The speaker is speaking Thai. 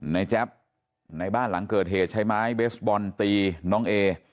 แจ๊บในบ้านหลังเกิดเหตุใช้ไม้เบสบอลตีน้องเอ